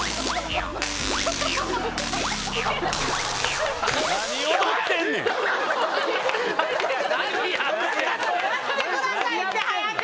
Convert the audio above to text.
やってください早く！